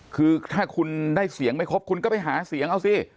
คือถ้าคุณได้เสียงไม่ครบคุณก็ไปหาเสียงเอาสิ